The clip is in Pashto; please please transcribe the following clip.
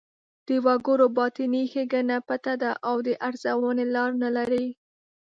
د وګړو باطني ښېګڼه پټه ده او د ارزونې لاره نه لري.